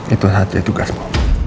itu satu ya tugasmu